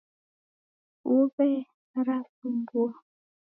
Fuwe rasumbua.